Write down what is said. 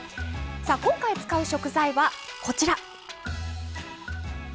今回使う食材は、こちら。